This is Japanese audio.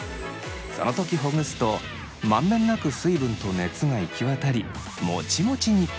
その時ほぐすと満遍なく水分と熱が行き渡りもちもちに。